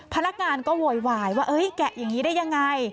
พนักงานก็โวยวายว่าแกะอย่างนี้ได้ยังไง